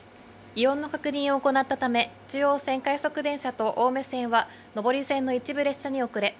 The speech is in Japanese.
異音の確認を行ったため、中央線快速電車と青梅線は、上り線の一部列車に遅れ。